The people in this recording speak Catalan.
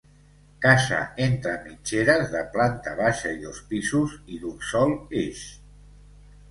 Casa entre mitgeres de planta baixa i dos pisos i d'un sol eix.